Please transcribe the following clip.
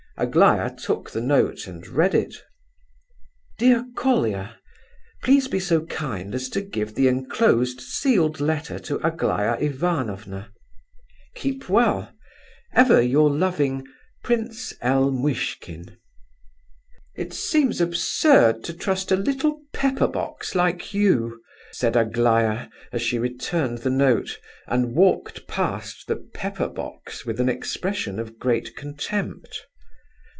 Aglaya took the note, and read it. "DEAR COLIA,—Please be so kind as to give the enclosed sealed letter to Aglaya Ivanovna. Keep well—Ever your loving, "Pr. L. Muishkin." "It seems absurd to trust a little pepper box like you," said Aglaya, as she returned the note, and walked past the "pepper box" with an expression of great contempt.